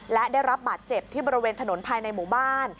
และได้รับบาดเจ็บที่บริเวณถนนภายในหมู่บ้าน